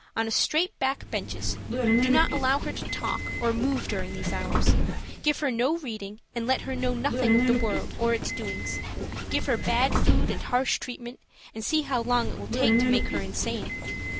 on straight back benches, do not allow her to talk or move during these hours, give her no reading and let her know nothing of the world or its doings, give her bad food and harsh treatment, and see how long it will take to make her insane.